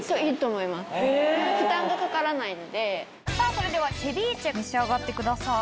それではセビーチェ召し上がってください。